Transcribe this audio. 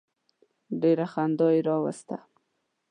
ډېره خندا یې راوسته.